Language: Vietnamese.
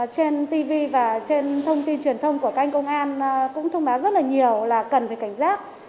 trên tv và trên thông tin truyền thông của canh công an cũng thông báo rất là nhiều là cần phải cảnh giác